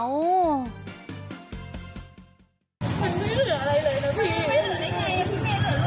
มันไม่เหลืออะไรเลยนะพี่